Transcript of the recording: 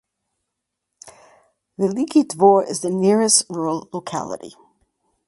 Veliky Dvor is the nearest rural locality.